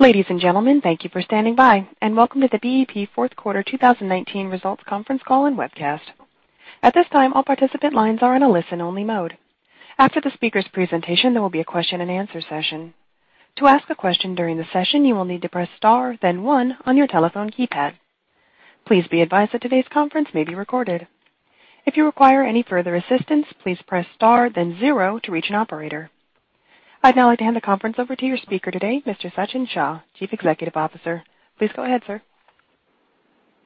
Ladies and gentlemen, thank you for standing by, and welcome to the BEP fourth quarter 2019 results conference call and webcast. At this time, all participant lines are in a listen-only mode. After the speakers' presentation, there will be a question and answer session. To ask a question during the session, you will need to press star then one on your telephone keypad. Please be advised that today's conference may be recorded. If you require any further assistance, please press star then zero to reach an operator. I'd now like to hand the conference over to your speaker today, Mr. Sachin Shah, Chief Executive Officer. Please go ahead, sir.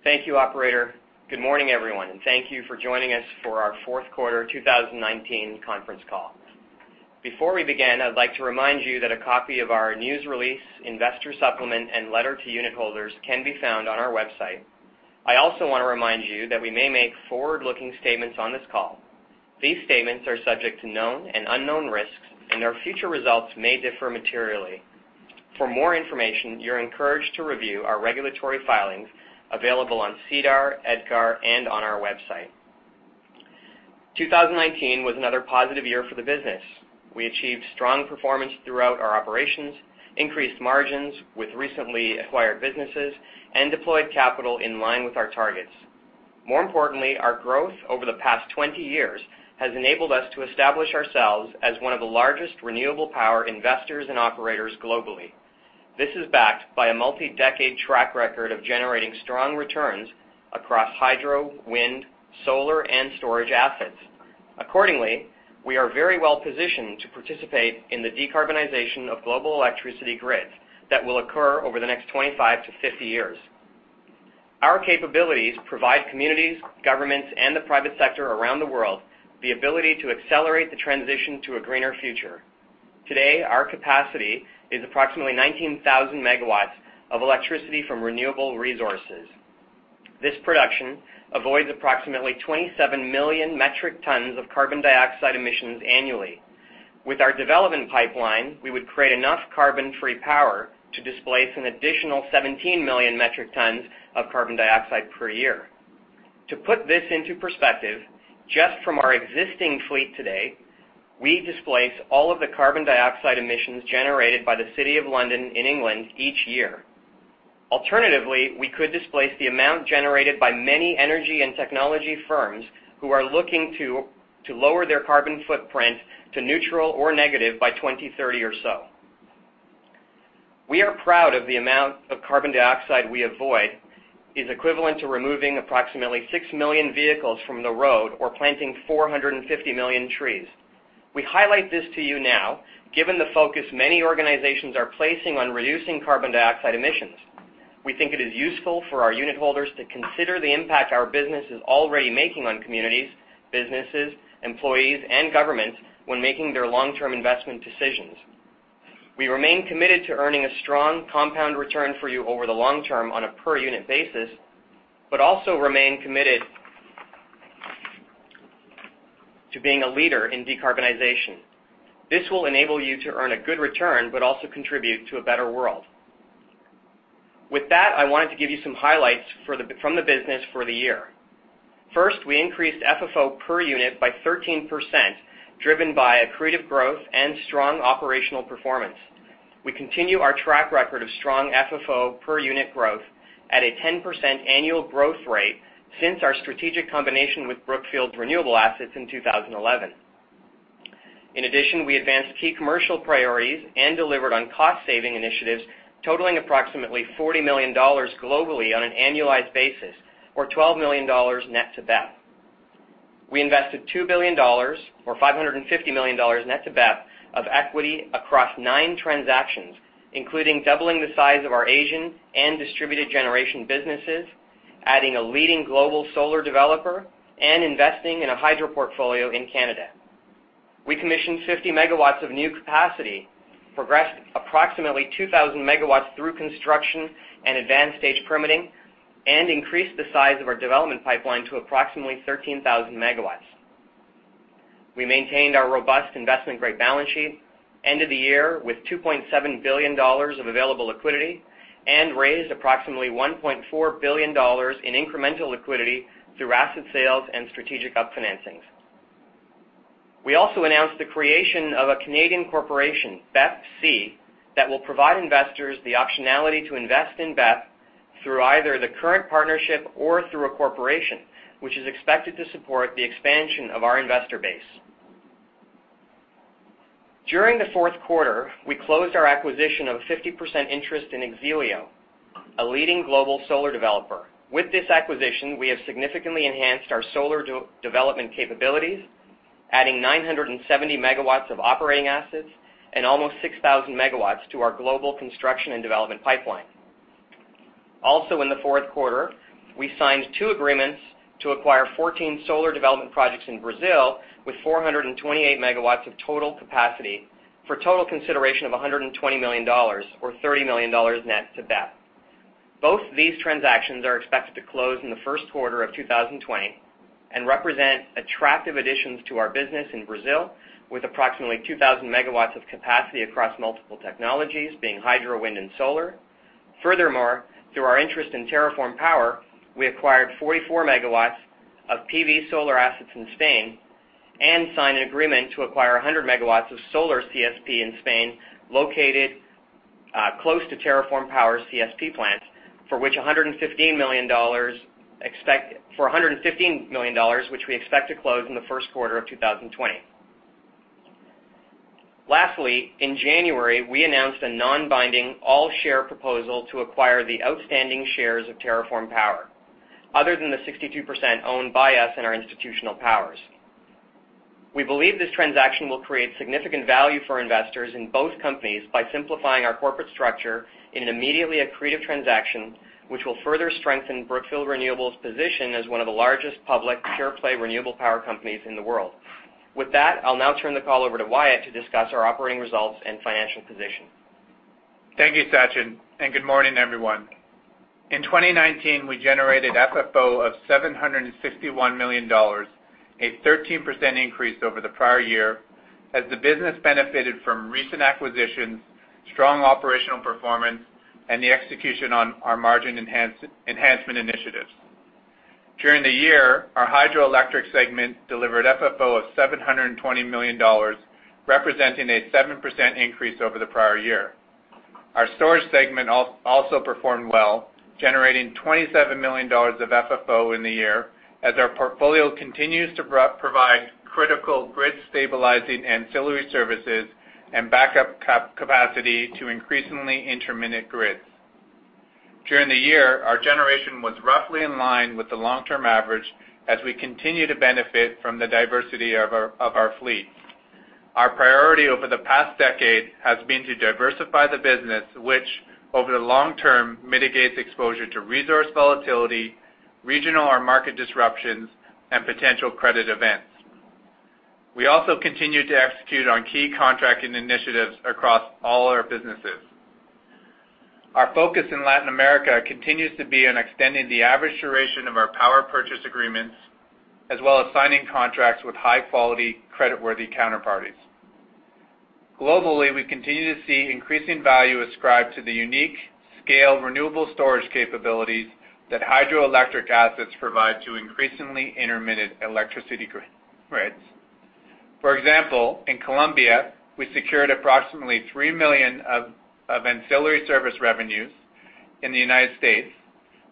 Thank you, operator. Good morning, everyone, and thank you for joining us for our fourth quarter 2019 conference call. Before we begin, I'd like to remind you that a copy of our news release, investor supplement, and letter to unit holders can be found on our website. I also want to remind you that we may make forward-looking statements on this call. These statements are subject to known and unknown risks, and our future results may differ materially. For more information, you're encouraged to review our regulatory filings available on SEDAR, EDGAR, and on our website. 2019 was another positive year for the business. We achieved strong performance throughout our operations, increased margins with recently acquired businesses, and deployed capital in line with our targets. More importantly, our growth over the past 20 years has enabled us to establish ourselves as one of the largest renewable power investors and operators globally. This is backed by a multi-decade track record of generating strong returns across Hydro, Wind, Solar, and Storage Assets. Accordingly, we are very well-positioned to participate in the decarbonization of global electricity grids that will occur over the next 25-50 years. Our capabilities provide communities, governments, and the private sector around the world the ability to accelerate the transition to a greener future. Today, our capacity is approximately 19,000 MW of electricity from renewable resources. This production avoids approximately 27 million metric tons of carbon dioxide emissions annually. With our Development Pipeline, we would create enough carbon-free power to displace an additional 17 million metric tons of carbon dioxide per year. To put this into perspective, just from our existing fleet today, we displace all of the carbon dioxide emissions generated by the City of London in England each year. Alternatively, we could displace the amount generated by many energy and technology firms who are looking to lower their carbon footprint to neutral or negative by 2030 or so. We are proud of the amount of carbon dioxide we avoid. It's equivalent to removing approximately 6 million vehicles from the road or planting 450 million trees. We highlight this to you now, given the focus many organizations are placing on reducing carbon dioxide emissions. We think it is useful for our unit holders to consider the impact our business is already making on communities, businesses, employees, and governments when making their long-term investment decisions. We remain committed to earning a strong compound return for you over the long-term on a per-unit basis, but also remain committed to being a leader in decarbonization. This will enable you to earn a good return, but also contribute to a better world. With that, I wanted to give you some highlights from the business for the year. First, we increased FFO per unit by 13%, driven by accretive growth and strong operational performance. We continue our track record of strong FFO per unit growth at a 10% annual growth rate since our strategic combination with Brookfield's renewable assets in 2011. In addition, we advanced key commercial priorities and delivered on cost-saving initiatives totaling approximately $40 million globally on an annualized basis, or $12 million net to BEP. We invested $2 billion, or $550 million net to BEP, of equity across nine transactions, including doubling the size of our Asian and Distributed Generation businesses, adding a leading global Solar developer, and investing in a Hydro portfolio in Canada. We commissioned 50 MW of new capacity, progressed approximately 2,000 MW through construction and advanced-stage permitting, and increased the size of our Development Pipeline to approximately 13,000 MW. We maintained our robust investment-grade balance sheet, ended the year with $2.7 billion of available liquidity, and raised approximately $1.4 billion in incremental liquidity through asset sales and strategic up-financings. We also announced the creation of a Canadian corporation, BEPC, that will provide investors the optionality to invest in BEP through either the current partnership or through a corporation, which is expected to support the expansion of our investor base. During the fourth quarter, we closed our acquisition of a 50% interest in X-ELIO, a leading global solar developer. With this acquisition, we have significantly enhanced our Solar development capabilities, adding 970 MW of operating assets and almost 6,000 MW to our global construction and Development Pipeline. Also in the fourth quarter, we signed two agreements to acquire 14 solar development projects in Brazil with 428 MW of total capacity for a total consideration of $120 million, or $30 million net to BEP. Both these transactions are expected to close in the first quarter of 2020 and represent attractive additions to our business in Brazil, with approximately 2,000 MW of capacity across multiple technologies, being Hydro, Wind, and Solar. Through our interest in TerraForm Power, we acquired 44 MW of PV Solar Assets in Spain, and signed an agreement to acquire 100 MW of solar CSP in Spain, located close to TerraForm Power's CSP plant, for which $115 million, which we expect to close in the first quarter of 2020. Lastly, in January, we announced a non-binding all-share proposal to acquire the outstanding shares of TerraForm Power, other than the 62% owned by us and our institutional partners. We believe this transaction will create significant value for investors in both companies by simplifying our corporate structure in an immediately accretive transaction, which will further strengthen Brookfield Renewable's position as one of the largest public pure-play renewable power companies in the world. With that, I'll now turn the call over to Wyatt to discuss our operating results and financial position. Thank you, Sachin, and good morning, everyone. In 2019, we generated FFO of $761 million, a 13% increase over the prior year, as the business benefited from recent acquisitions, strong operational performance, and the execution on our margin enhancement initiatives. During the year, our Hydroelectric segment delivered FFO of $720 million, representing a 7% increase over the prior year. Our Storage segment also performed well, generating $27 million of FFO in the year, as our portfolio continues to provide critical grid-stabilizing ancillary services and backup capacity to increasingly intermittent grids. During the year, our Generation was roughly in line with the long-term average, as we continue to benefit from the diversity of our fleet. Our priority over the past decade has been to diversify the business, which, over the long-term, mitigates exposure to resource volatility, regional or market disruptions, and potential credit events. We also continue to execute on key contracting initiatives across all our businesses. Our focus in Latin America continues to be on extending the average duration of our power purchase agreements, as well as signing contracts with high-quality, creditworthy counterparties. Globally, we continue to see increasing value ascribed to the unique scale renewable storage capabilities that Hydroelectric assets provide to increasingly intermittent electricity grids. For example, in Colombia, we secured approximately $3 million of ancillary service revenues. In the U.S.,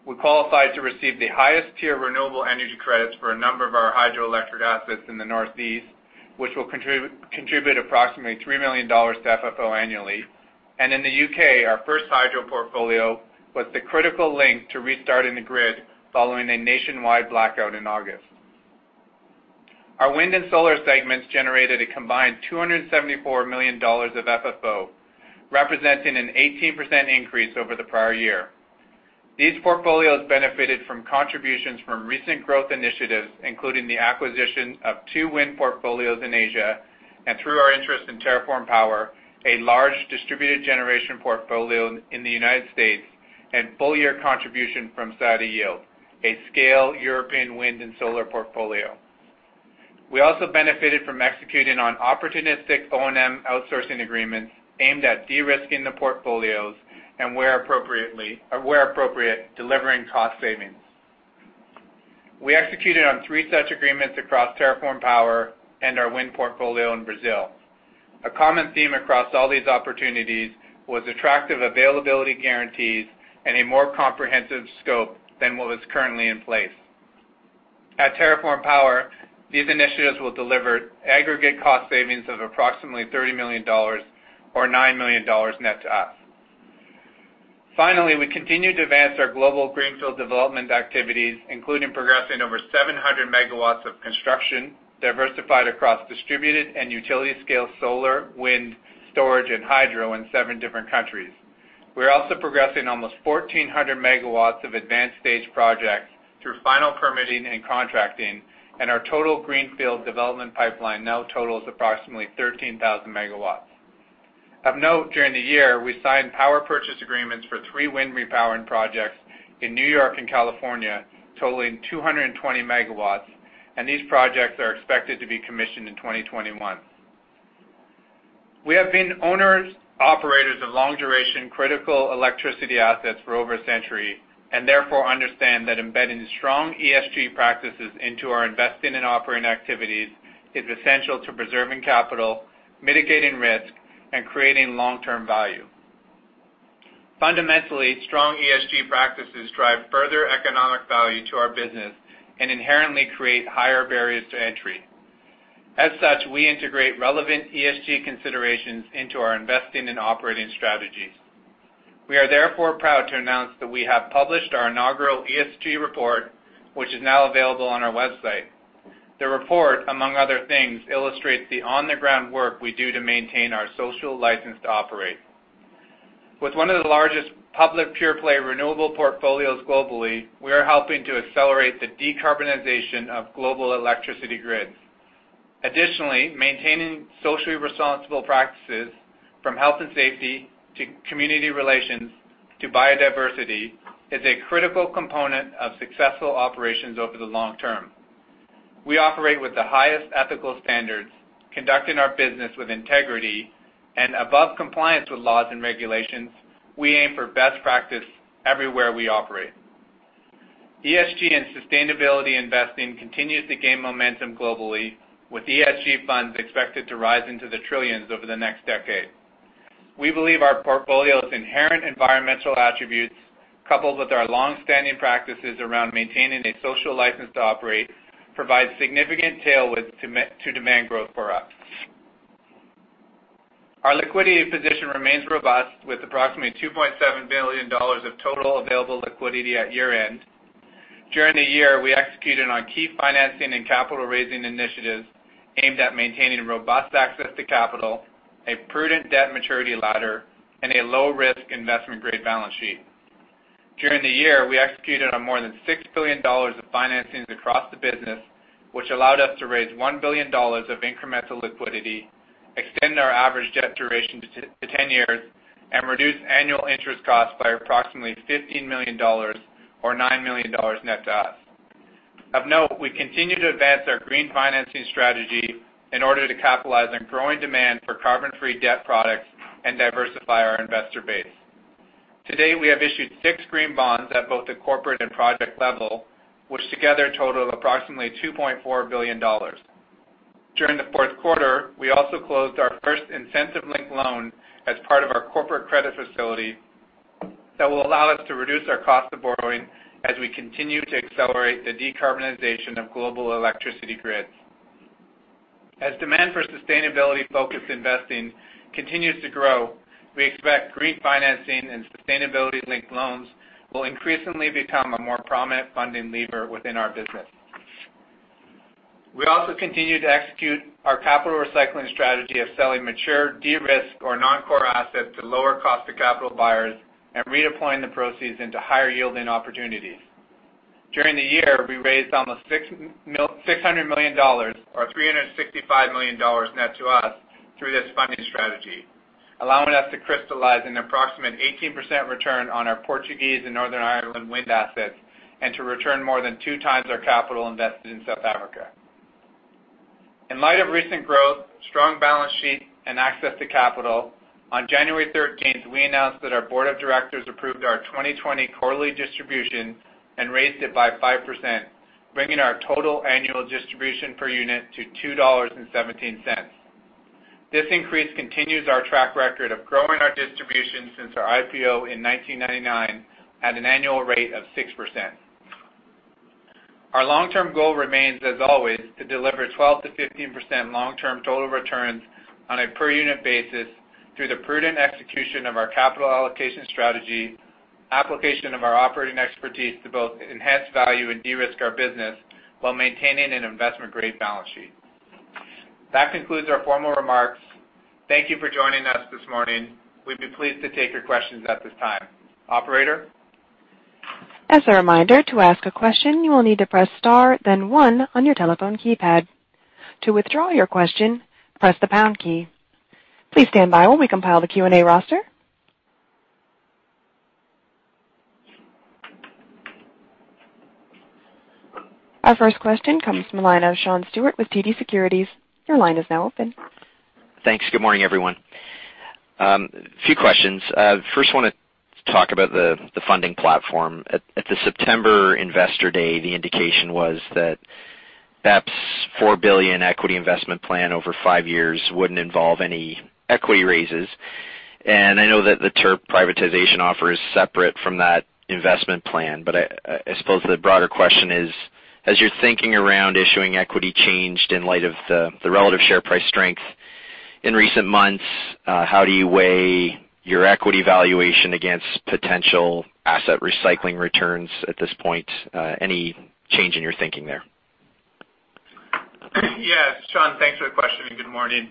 we qualified to receive the highest tier renewable energy credits for a number of our Hydroelectric assets in the Northeast, which will contribute approximately $3 million to FFO annually. In the U.K., our first Hydro portfolio was the critical link to restarting the grid following a nationwide blackout in August. Our Wind and Solar segments generated a combined $274 million of FFO, representing an 18% increase over the prior year. These portfolios benefited from contributions from recent growth initiatives, including the acquisition of two Wind portfolios in Asia, and through our interest in TerraForm Power, a large Distributed Generation portfolio in the United States, and full-year contribution from Saeta Yield, a scale European Wind and Solar portfolio. We also benefited from executing on opportunistic O&M outsourcing agreements aimed at de-risking the portfolios, and where appropriate, delivering cost savings. We executed on three such agreements across TerraForm Power and our Wind portfolio in Brazil. A common theme across all these opportunities was attractive availability guarantees and a more comprehensive scope than what was currently in place. At TerraForm Power, these initiatives will deliver aggregate cost savings of approximately $30 million, or $9 million net to us. Finally, we continue to advance our global greenfield development activities, including progressing over 700 MW of construction, diversified across Distributed and Utility-Scale Solar, Wind, Storage, and Hydro in seven different countries. We're also progressing almost 1,400 MW of advanced-stage projects through final permitting and contracting, and our total Greenfield Development Pipeline now totals approximately 13,000 MW. Of note, during the year, we signed power purchase agreements for three wind repowering projects in New York and California, totaling 220 MW, and these projects are expected to be commissioned in 2021. We have been owners, operators of long-duration, critical electricity assets for over a century, and therefore understand that embedding strong ESG practices into our investing and operating activities is essential to preserving capital, mitigating risk, and creating long-term value. Fundamentally, strong ESG practices drive further economic value to our business and inherently create higher barriers to entry. As such, we integrate relevant ESG considerations into our investing and operating strategies. We are therefore proud to announce that we have published our inaugural ESG report, which is now available on our website. The report, among other things, illustrates the on-the-ground work we do to maintain our social license to operate. With one of the largest public pure-play renewable portfolios globally, we are helping to accelerate the decarbonization of global electricity grids. Additionally, maintaining socially responsible practices, from health and safety to community relations to biodiversity, is a critical component of successful operations over the long-term. We operate with the highest ethical standards, conducting our business with integrity and above compliance with laws and regulations. We aim for best practice everywhere we operate. ESG and sustainability investing continues to gain momentum globally, with ESG funds expected to rise into the trillions over the next decade. We believe our portfolio's inherent environmental attributes, coupled with our longstanding practices around maintaining a social license to operate, provide significant tailwind to demand growth for us. Our liquidity position remains robust, with approximately $2.7 billion of total available liquidity at year-end. During the year, we executed on key financing and capital-raising initiatives aimed at maintaining robust access to capital, a prudent debt maturity ladder, and a low-risk investment-grade balance sheet. During the year, we executed on more than $6 billion of financings across the business, which allowed us to raise $1 billion of incremental liquidity, extend our average debt duration to 10 years, and reduce annual interest costs by approximately $15 million, or $9 million net to us. Of note, we continue to advance our green financing strategy in order to capitalize on growing demand for carbon-free debt products and diversify our investor base. To date, we have issued six green bonds at both the corporate and project level, which together total approximately $2.4 billion. During the fourth quarter, we also closed our first incentive-linked loan as part of our corporate credit facility that will allow us to reduce our cost of borrowing as we continue to accelerate the decarbonization of global electricity grids. As demand for sustainability-focused investing continues to grow, we expect green financing and sustainability-linked loans will increasingly become a more prominent funding lever within our business. We also continue to execute our capital recycling strategy of selling mature, de-risked or non-core assets to lower cost of capital buyers and redeploying the proceeds into higher-yielding opportunities. During the year, we raised almost $600 million, or $365 million net to us, through this funding strategy, allowing us to crystallize an approximate 18% return on our Portuguese and Northern Ireland Wind assets and to return more than 2x our capital invested in South Africa. In light of recent growth, strong balance sheet, and access to capital, on January 13th, we announced that our Board of Directors approved our 2020 quarterly distribution and raised it by 5%, bringing our total annual distribution per unit to $2.17. This increase continues our track record of growing our distribution since our IPO in 1999 at an annual rate of 6%. Our long-term goal remains, as always, to deliver 12%-15% long-term total returns on a per-unit basis through the prudent execution of our capital allocation strategy, application of our operating expertise to both enhance value and de-risk our business while maintaining an investment-grade balance sheet. That concludes our formal remarks. Thank you for joining us this morning. We'd be pleased to take your questions at this time. Operator? As a reminder, to ask a question, you will need to press star then one on your telephone keypad. To withdraw your question, press the pound key. Please stand by while we compile the Q&A roster. Our first question comes from the line of Sean Steuart with TD Securities. Your line is now open. Thanks. Good morning, everyone. A few questions. I want to talk about the funding platform. At the September Investor Day, the indication was that BEP's $4 billion equity investment plan over five years wouldn't involve any equity raises. I know that the TERP privatization offer is separate from that investment plan. I suppose the broader question is: As your thinking around issuing equity changed in light of the relative share price strength in recent months, how do you weigh your equity valuation against potential asset recycling returns at this point? Any change in your thinking there? Yes, Sean. Thanks for the question. Good morning.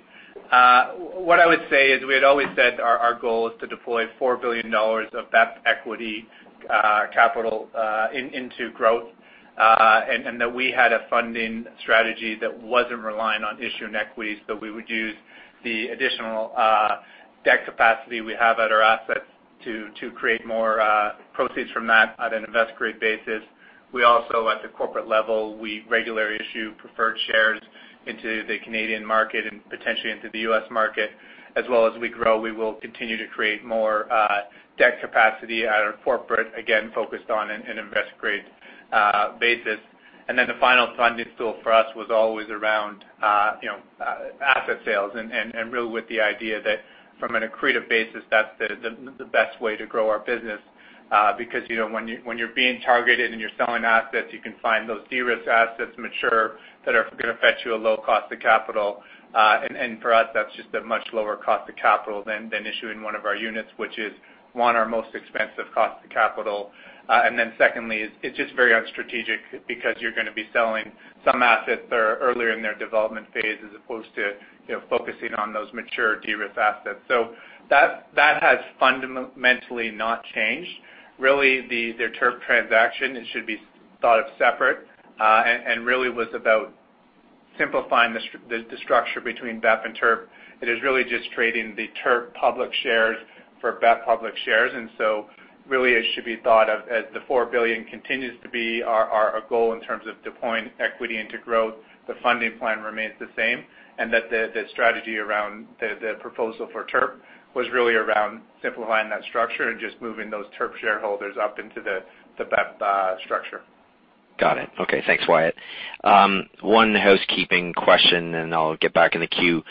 What I would say is we had always said our goal is to deploy $4 billion of BEP equity capital into growth, and that we had a funding strategy that wasn't reliant on issuing equities, but we would use the additional debt capacity we have at our assets to create more proceeds from that at an invest-grade basis. We also, at the corporate level, regularly issue preferred shares into the Canadian market and potentially into the U.S. market. As well as we grow, we will continue to create more debt capacity at our corporate, again, focused on an invest-grade basis. The final funding tool for us was always around asset sales and really with the idea that from an accretive basis, that's the best way to grow our business. Because, when you're being targeted and you're selling assets, you can find those de-risked assets mature that are going to fetch you a low cost of capital. For us, that's just a much lower cost of capital than issuing one of our units, which is, one, our most expensive cost of capital. Secondly, it's just very unstrategic because you're going to be selling some assets that are earlier in their development phase, as opposed to focusing on those mature de-risk assets. That has fundamentally not changed. The TERP transaction should be thought of separate, and really was about simplifying the structure between BEP and TERP, it is really just trading the TERP public shares for BEP public shares. Really, it should be thought of as the $4 billion continues to be our goal in terms of deploying equity into growth, the funding plan remains the same, and that the strategy around the proposal for TERP was really around simplifying that structure and just moving those TERP shareholders up into the BEP structure. Got it. Okay. Thanks, Wyatt. One housekeeping question. I'll get back in the queue.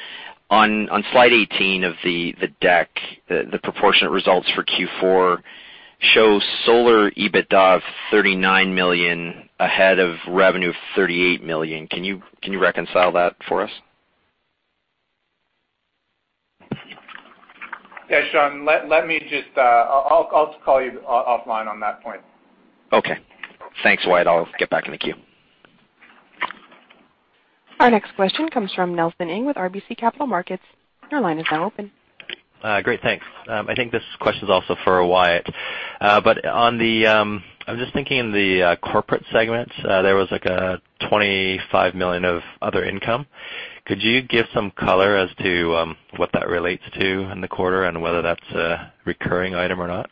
On slide 18 of the deck, the proportionate results for Q4 show solar EBITDA of $39 million ahead of revenue of $38 million. Can you reconcile that for us? Yeah, Sean. I'll call you offline on that point. Okay. Thanks, Wyatt. I'll get back in the queue. Our next question comes from Nelson Ng with RBC Capital Markets. Your line is now open. Great, thanks. I think this question's also for Wyatt. I'm just thinking in the corporate segments, there was like a $25 million of other income. Could you give some color as to what that relates to in the quarter and whether that's a recurring item or not?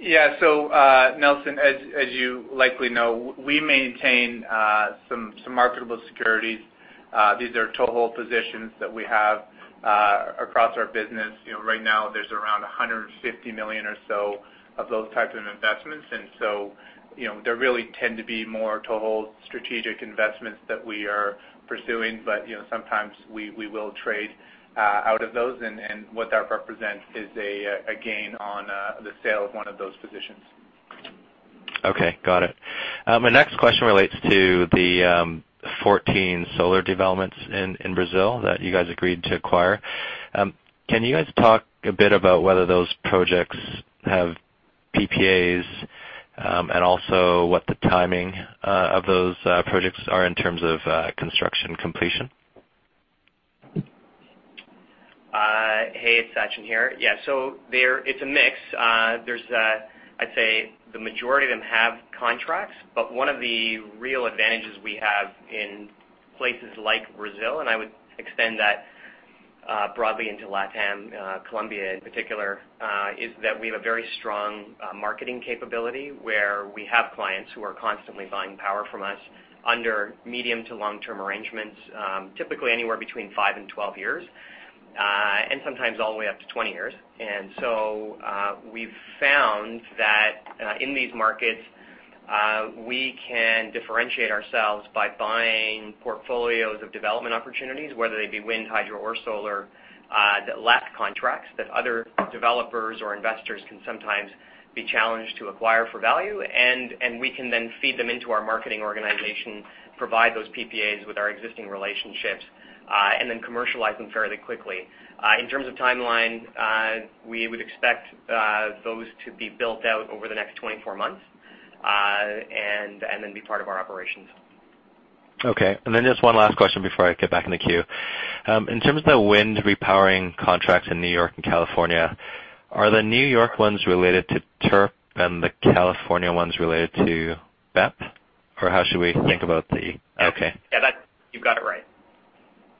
Yeah. Nelson, as you likely know, we maintain some marketable securities. These are toehold positions that we have across our business. Right now, there's around $150 million or so of those types of investments. They really tend to be more toehold strategic investments that we are pursuing. Sometimes we will trade out of those, and what that represents is a gain on the sale of one of those positions. Okay. Got it. My next question relates to the 14 Solar developments in Brazil that you guys agreed to acquire. Can you guys talk a bit about whether those projects have PPAs, and also what the timing of those projects are in terms of construction completion? Hey, it's Sachin here. Yeah. It's a mix. I'd say the majority of them have contracts, but one of the real advantages we have in places like Brazil, and I would extend that broadly into LatAm, Colombia in particular, is that we have a very strong marketing capability where we have clients who are constantly buying power from us under medium to long-term arrangements, typically anywhere between five and 12 years, and sometimes all the way up to 20 years. We've found that in these markets, we can differentiate ourselves by buying portfolios of development opportunities, whether they be Wind, Hydro, or Solar, that lack contracts, that other developers or investors can sometimes be challenged to acquire for value. We can then feed them into our marketing organization, provide those PPAs with our existing relationships, and then commercialize them fairly quickly. In terms of timeline, we would expect those to be built out over the next 24 months, and then be part of our operations. Okay. Just one last question before I get back in the queue. In terms of the Wind repowering contracts in New York and California, are the New York ones related to TERP and the California ones related to BEP? How should we think about the. Yeah. You've got it right.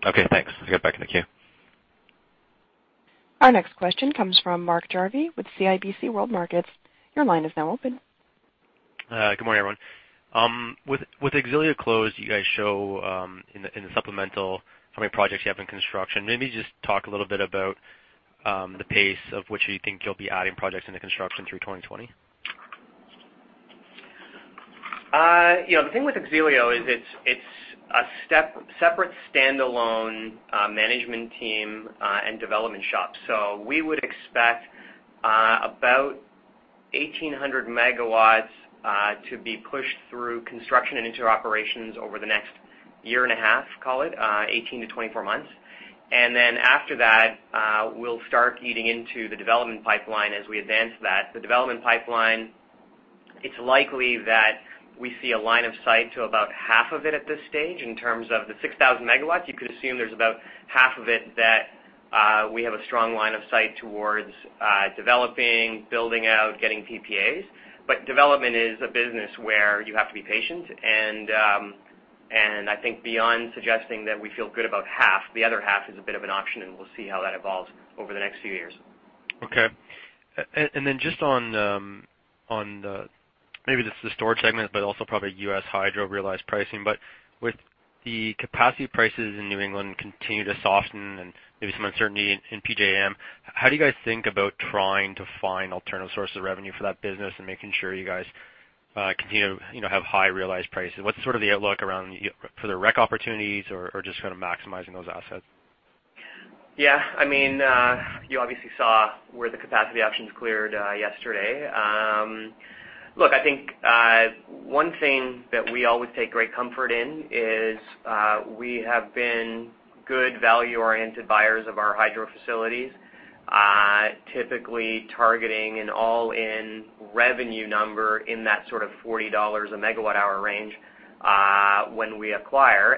Okay, thanks. Let's get back in the queue. Our next question comes from Mark Jarvi with CIBC World Markets. Your line is now open. Good morning, everyone. With X-ELIO closed, you guys show in the supplemental how many projects you have in construction. Maybe just talk a little bit about the pace of which you think you'll be adding projects into construction through 2020. The thing with X-ELIO is it's a separate standalone management team and development shop. We would expect about 1,800 MW to be pushed through construction and into operations over the next 1.5 years, call it, 18-24 months. Then after that, we'll start eating into the Development Pipeline as we advance that. The Development Pipeline, it's likely that we see a line of sight to about 1/2 of it at this stage. In terms of the 6,000 MW, you could assume there's about half of it that we have a strong line of sight towards developing, building out, getting PPAs. Development is a business where you have to be patient, and I think beyond suggesting that we feel good about 1/2, the other 1/2 is a bit of an option, and we'll see how that evolves over the next few years. Okay. Just on the, maybe this is the Storage segment, but also probably U.S. Hydro realized pricing. With the capacity prices in New England continue to soften and maybe some uncertainty in PJM, how do you guys think about trying to find alternative sources of revenue for that business and making sure you guys continue to have high realized prices? What's the outlook around for the REC opportunities or just kind of maximizing those assets? Yeah. You obviously saw where the capacity options cleared yesterday. Look, I think, one thing that we always take great comfort in is, we have been good value-oriented buyers of our Hydro facilities, typically targeting an all-in revenue number in that sort of $40 a megawatt hour range when we acquire.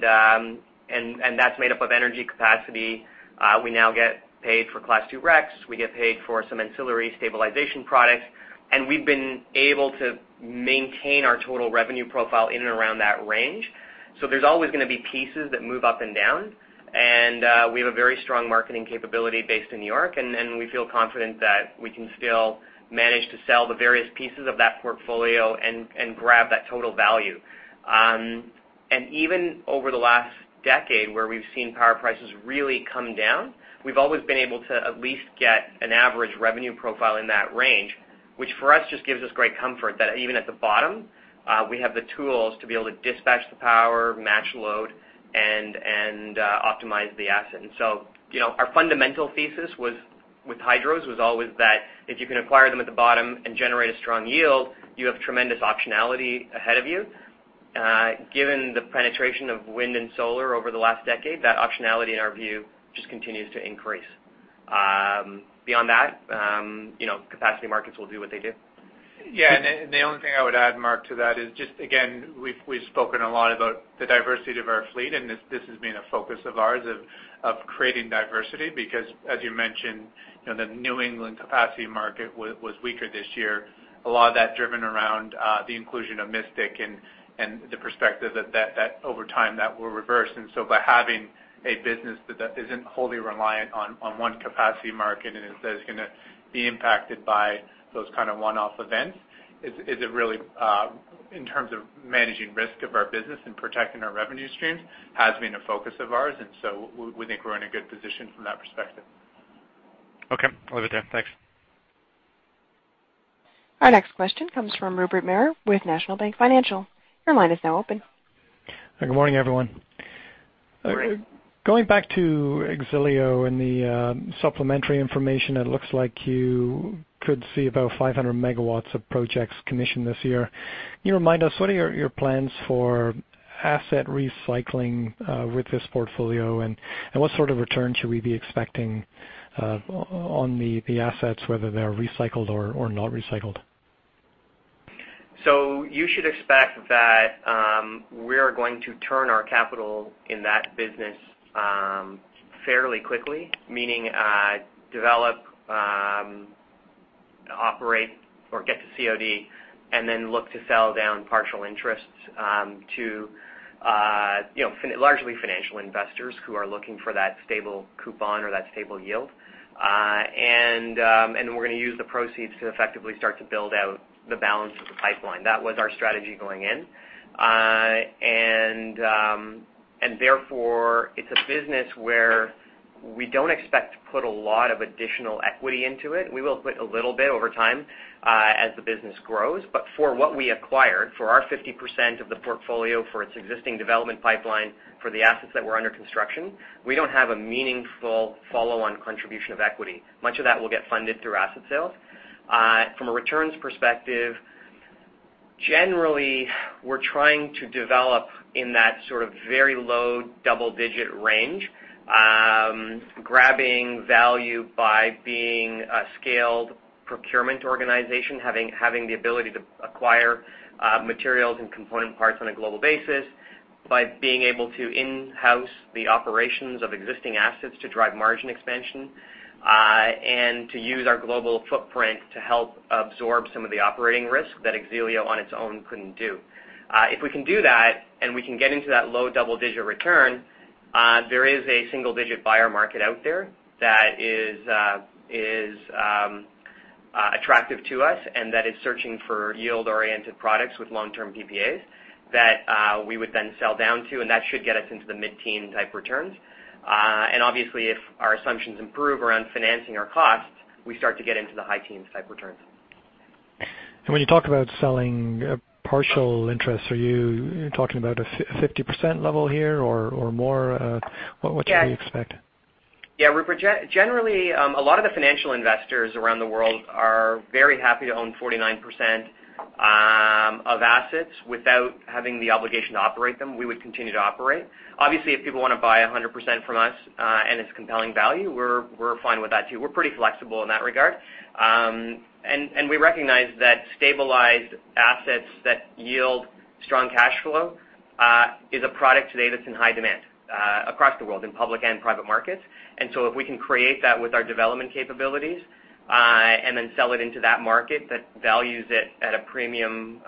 That's made up of energy capacity. We now get paid for Class II RECs. We get paid for some ancillary stabilization products. We've been able to maintain our total revenue profile in and around that range. There's always going to be pieces that move up and down. We have a very strong marketing capability based in New York, and we feel confident that we can still manage to sell the various pieces of that portfolio and grab that total value. Even over the last decade, where we've seen power prices really come down, we've always been able to at least get an average revenue profile in that range, which for us just gives us great comfort that even at the bottom, we have the tools to be able to dispatch the power, match load, and optimize the asset. Our fundamental thesis with Hydros was always that if you can acquire them at the bottom and generate a strong yield, you have tremendous optionality ahead of you. Given the penetration of Wind and Solar over the last decade, that optionality, in our view, just continues to increase. Beyond that, capacity markets will do what they do. Yeah. The only thing I would add, Mark, to that is just, again, we've spoken a lot about the diversity of our fleet, and this has been a focus of ours of creating diversity, because as you mentioned, the New England capacity market was weaker this year. A lot of that driven around the inclusion of Mystic and the perspective that over time, that will reverse. By having a business that isn't wholly reliant on one capacity market and instead is going to be impacted by those kind of one-off events, is a really, in terms of managing risk of our business and protecting our revenue streams, has been a focus of ours. We think we're in a good position from that perspective. Okay. I'll leave it there. Thanks. Our next question comes from Rupert Merer with National Bank Financial. Your line is now open. Good morning, everyone. Good morning. Going back to X-ELIO and the supplementary information, it looks like you could see about 500 MW of projects commissioned this year. Can you remind us, what are your plans for asset recycling with this portfolio, and what sort of return should we be expecting on the assets, whether they're recycled or not recycled? You should expect that we're going to turn our capital in that business fairly quickly, meaning develop, operate, or get to COD, and then look to sell down partial interests to largely financial investors who are looking for that stable coupon or that stable yield. We're going to use the proceeds to effectively start to build out the balance of the pipeline. That was our strategy going in. Therefore, it's a business where we don't expect to put a lot of additional equity into it. We will put a little bit over time as the business grows. For what we acquired, for our 50% of the portfolio for its existing Development Pipeline, for the assets that were under construction, we don't have a meaningful follow-on contribution of equity. Much of that will get funded through asset sales. From a returns perspective, generally, we're trying to develop in that sort of very low double-digit range, grabbing value by being a scaled procurement organization, having the ability to acquire materials and component parts on a global basis, by being able to in-house the operations of existing assets to drive margin expansion, and to use our global footprint to help absorb some of the operating risk that X-ELIO on its own couldn't do. If we can do that, and we can get into that low double-digit return, there is a single-digit buyer market out there that is attractive to us and that is searching for yield-oriented products with long-term PPAs that we would then sell down to, and that should get us into the mid-teen type returns. Obviously, if our assumptions improve around financing our costs, we start to get into the high-teens type returns. When you talk about selling partial interest, are you talking about a 50% level here or more? What should we expect? Yeah, Rupert. Generally, a lot of the financial investors around the world are very happy to own 49% of assets without having the obligation to operate them. We would continue to operate. Obviously, if people want to buy 100% from us and it's compelling value, we're fine with that too. We're pretty flexible in that regard. We recognize that stabilized assets that yield strong cash flow is a product today that's in high demand across the world, in public and private markets. If we can create that with our development capabilities and then sell it into that market that values it at a premium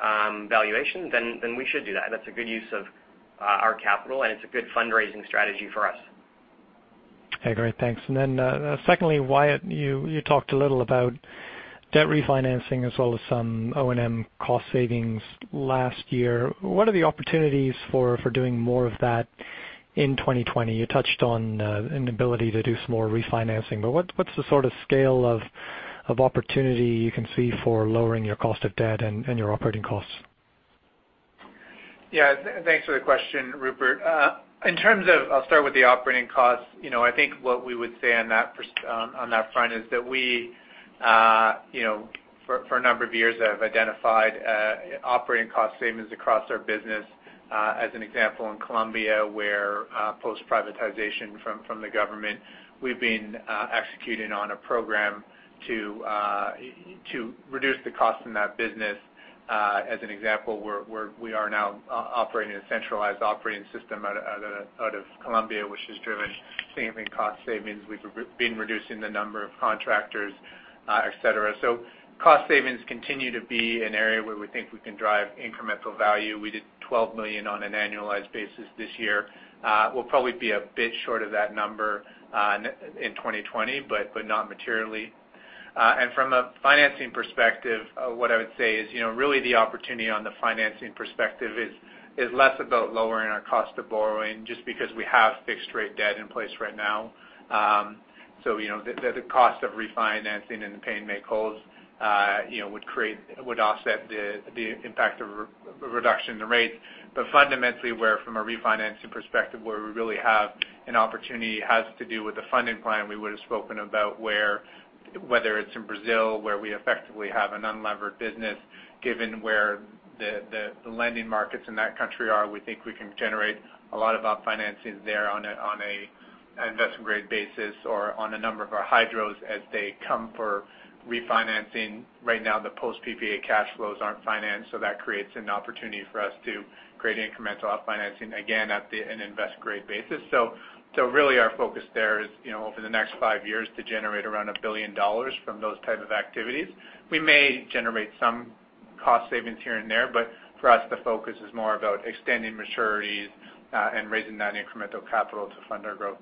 valuation, then we should do that. That's a good use of our capital, and it's a good fundraising strategy for us. Okay, great. Thanks. Secondly, Wyatt, you talked a little about debt refinancing as well as some O&M cost savings last year. What are the opportunities for doing more of that in 2020? You touched on an ability to do some more refinancing, but what's the sort of scale of opportunity you can see for lowering your cost of debt and your operating costs? Yeah. Thanks for the question, Rupert. I'll start with the operating costs. I think what we would say on that front is that we, for a number of years, have identified operating cost savings across our business. As an example, in Colombia, where post-privatization from the government, we've been executing on a program to reduce the cost in that business. As an example, we are now operating a centralized operating system out of Colombia, which has driven significant cost savings. We've been reducing the number of contractors, et cetera. Cost savings continue to be an area where we think we can drive incremental value. We did $12 million on an annualized basis this year. We'll probably be a bit short of that number in 2020, not materially. From a financing perspective, what I would say is, really the opportunity on the financing perspective is less about lowering our cost of borrowing, just because we have fixed rate debt in place right now. The cost of refinancing and the pay make-wholes would offset the impact of reduction in the rates. Fundamentally, where from a refinancing perspective, where we really have an opportunity has to do with the funding plan we would've spoken about, whether it's in Brazil, where we effectively have an unlevered business. Given where the lending markets in that country are, we think we can generate a lot of our financing there on an investment-grade basis or on a number of our hydros as they come for refinancing. Right now, the post PPA cash flows aren't financed, so that creates an opportunity for us to create incremental off financing, again, at an investment-grade basis. Really our focus there is, over the next five years, to generate around $1 billion from those type of activities. We may generate some cost savings here and there, For us, the focus is more about extending maturities, and raising that incremental capital to fund our growth.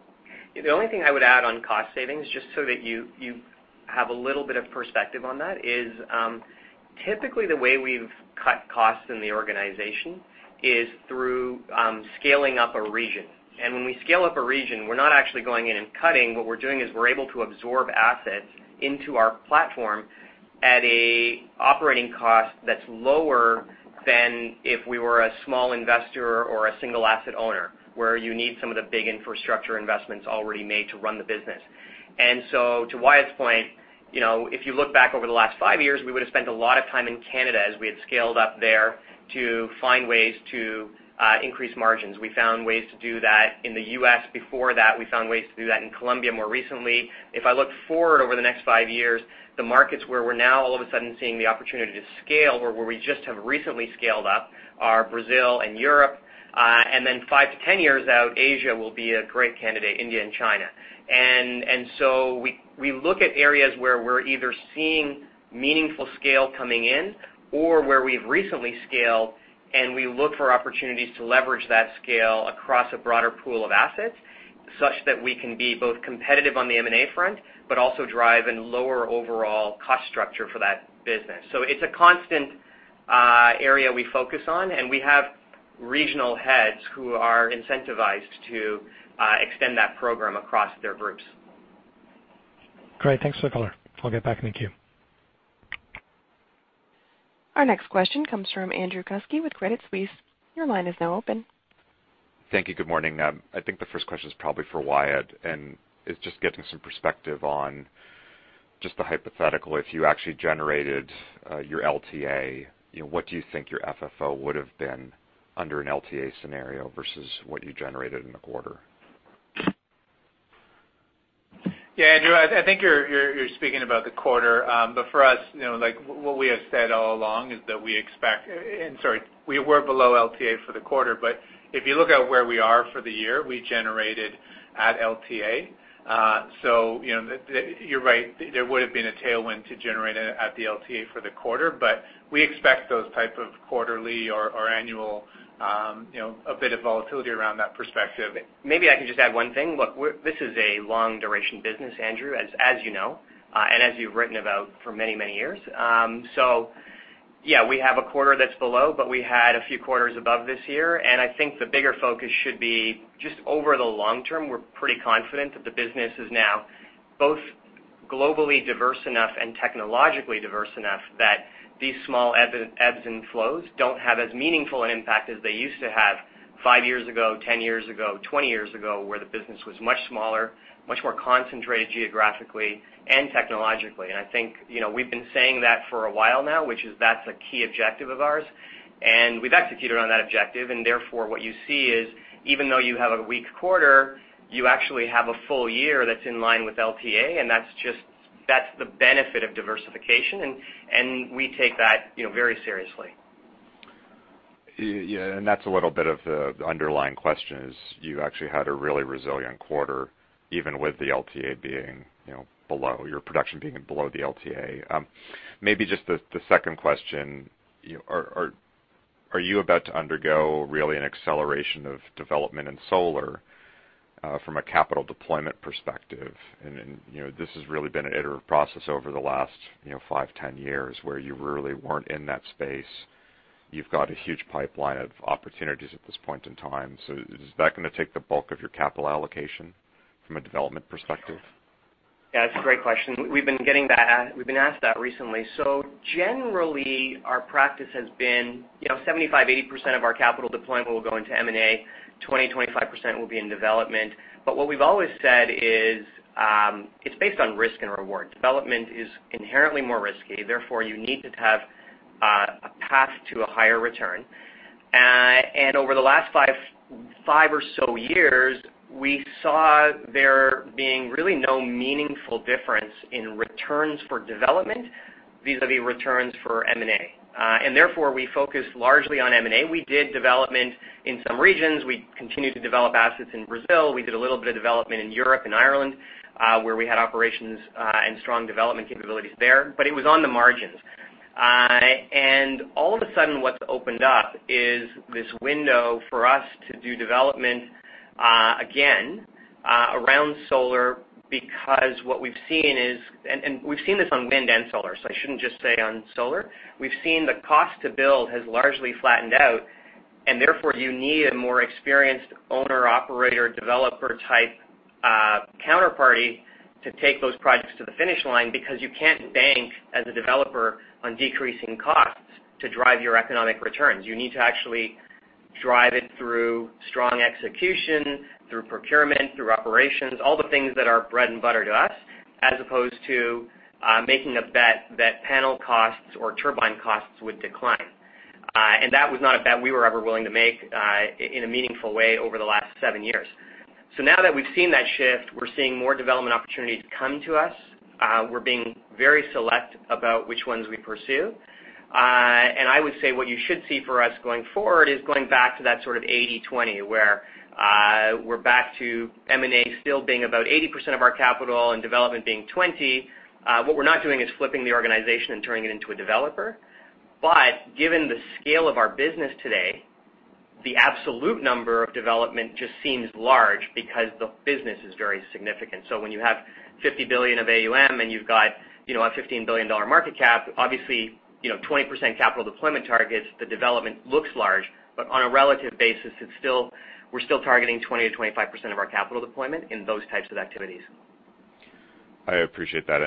The only thing I would add on cost savings, just so that you have a little bit of perspective on that, is, typically the way we've cut costs in the organization is through scaling up a region. When we scale up a region, we're not actually going in and cutting. What we're doing is we're able to absorb assets into our platform at an operating cost that's lower than if we were a small investor or a single asset owner, where you need some of the big infrastructure investments already made to run the business. To Wyatt's point, if you look back over the last five years, we would've spent a lot of time in Canada as we had scaled up there to find ways to increase margins. We found ways to do that in the U.S. before that. We found ways to do that in Colombia more recently. If I look forward over the next five years, the markets where we're now all of a sudden seeing the opportunity to scale, where we just have recently scaled up, are Brazil and Europe. Five to 10 years out, Asia will be a great candidate, India and China. We look at areas where we're either seeing meaningful scale coming in or where we've recently scaled, and we look for opportunities to leverage that scale across a broader pool of assets, such that we can be both competitive on the M&A front, but also drive and lower overall cost structure for that business. It's a constant area we focus on, and we have regional heads who are incentivized to extend that program across their groups. Great. Thanks for the color. I'll get back in the queue. Our next question comes from Andrew Kuske with Credit Suisse. Your line is now open. Thank you. Good morning. I think the first question is probably for Wyatt, and it's just getting some perspective on just the hypothetical. If you actually generated your LTA, what do you think your FFO would've been under an LTA scenario versus what you generated in the quarter? Yeah, Andrew, I think you're speaking about the quarter. For us, what we have said all along is that we expect, and sorry, we were below LTA for the quarter. If you look at where we are for the year, we generated at LTA. You're right. There would've been a tailwind to generate at the LTA for the quarter, but we expect those type of quarterly or annual, a bit of volatility around that perspective. Maybe I can just add one thing. Look, this is a long-duration business, Andrew, as you know, and as you've written about for many, many years. Yeah, we have a quarter that's below, but we had a few quarters above this year. I think the bigger focus should be just over the long-term, we're pretty confident that the business is now both globally diverse enough and technologically diverse enough that these small ebbs and flows don't have as meaningful an impact as they used to have five years ago, 10 years ago, 20 years ago, where the business was much smaller, much more concentrated geographically and technologically. I think, we've been saying that for a while now, which is that's a key objective of ours. We've executed on that objective. Therefore, what you see is, even though you have a weak quarter, you actually have a full year that's in line with LTA. That's the benefit of diversification, and we take that very seriously. Yeah. That's a little bit of the underlying question is you actually had a really resilient quarter, even with the LTA being below, your production being below the LTA. Maybe just the second question. Are you about to undergo really an acceleration of development in solar, from a capital deployment perspective? This has really been an iterative process over the last, five, 10 years where you really weren't in that space. You've got a huge pipeline of opportunities at this point in time. Is that going to take the bulk of your capital allocation from a development perspective? Yeah, that's a great question. We've been asked that recently. Generally, our practice has been 75%-80% of our capital deployment will go into M&A, 20%-25% will be in development. What we've always said is, it's based on risk and reward. Development is inherently more risky, therefore you need to have a path to a higher return. Over the last five or so years, we saw there being really no meaningful difference in returns for development vis-a-vis returns for M&A. Therefore, we focused largely on M&A. We did development in some regions. We continued to develop assets in Brazil. We did a little bit of development in Europe and Ireland, where we had operations and strong development capabilities there, but it was on the margins. All of a sudden, what's opened up is this window for us to do development, again, around Solar because what we've seen is we've seen this on Wind and Solar, so I shouldn't just say on solar. We've seen the cost to build has largely flattened out, and therefore, you need a more experienced owner/operator, developer-type counterparty to take those projects to the finish line because you can't bank as a developer on decreasing costs to drive your economic returns. You need to actually drive it through strong execution, through procurement, through operations, all the things that are bread and butter to us, as opposed to making a bet that panel costs or turbine costs would decline. That was not a bet we were ever willing to make, in a meaningful way over the last seven years. Now that we've seen that shift, we're seeing more development opportunities come to us. We're being very select about which ones we pursue. I would say what you should see for us going forward is going back to that sort of 80/20, where we're back to M&A still being about 80% of our capital and development being 20%. What we're not doing is flipping the organization and turning it into a developer. Given the scale of our business today, the absolute number of development just seems large because the business is very significant. When you have $50 billion of AUM and you've got a $15 billion market cap, obviously, 20% capital deployment targets, the development looks large. On a relative basis, we're still targeting 20%-25% of our capital deployment in those types of activities. I appreciate that.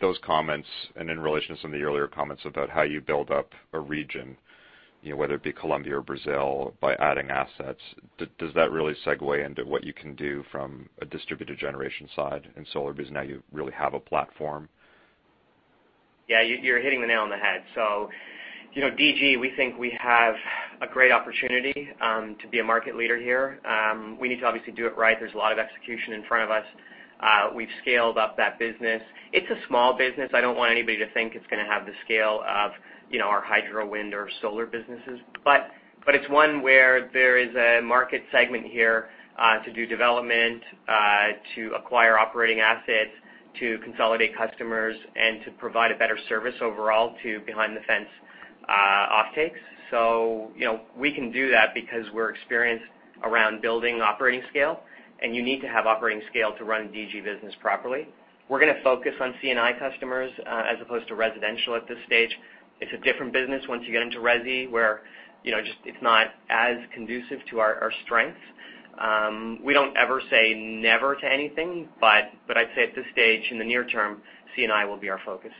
Those comments, and in relation to some of the earlier comments about how you build up a region, whether it be Colombia or Brazil, by adding assets, does that really segue into what you can do from a distributed generation side in solar business now you really have a platform? Yeah, you're hitting the nail on the head. DG, we think we have a great opportunity to be a market leader here. We need to obviously do it right. There's a lot of execution in front of us. We've scaled up that business. It's a small business. I don't want anybody to think it's going to have the scale of our Hydro, Wind, or Solar businesses. It's one where there is a market segment here, to do development, to acquire operating assets, to consolidate customers, and to provide a better service overall to behind-the-fence offtakes. We can do that because we're experienced around building operating scale, and you need to have operating scale to run DG business properly. We're going to focus on C&I customers, as opposed to residential at this stage. It's a different business once you get into resi, where it's not as conducive to our strengths. We don't ever say never to anything, but I'd say at this stage, in the near-term, C&I will be our focus.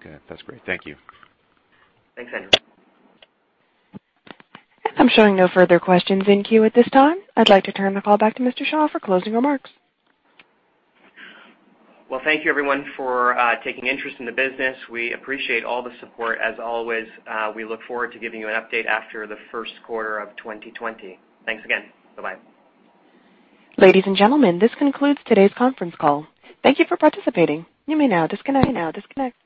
Okay. That's great. Thank you. Thanks, Andrew. I'm showing no further questions in queue at this time. I'd like to turn the call back to Mr. Shah for closing remarks. Well, thank you, everyone, for taking interest in the business. We appreciate all the support, as always. We look forward to giving you an update after the first quarter of 2020. Thanks again. Bye-bye. Ladies and gentlemen, this concludes today's conference call. Thank you for participating. You may now disconnect.